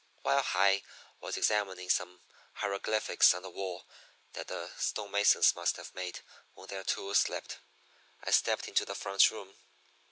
"While High was examining some hieroglyphics on the wall that the stone masons must have made when their tools slipped, I stepped into the front room.